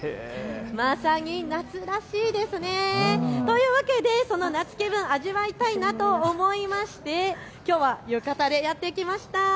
まさに夏らしいですね。というわけでその夏気分味わいたいなと思いましてきょうは浴衣でやって来ました。